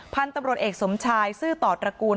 พันธุ์ตำรวจเอกสมชายซื่อต่อตระกูล